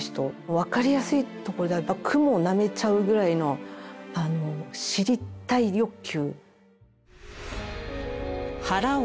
分かりやすいところではクモをなめちゃうぐらいの知りたい欲求。